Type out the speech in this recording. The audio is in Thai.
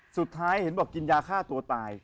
สุดท้ายเห็นบอกกินยาฆ่าตัวตาย